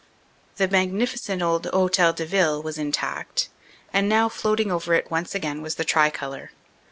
The magnificent old Hotel de Ville was intact, and now floating over it once again was the tricolor.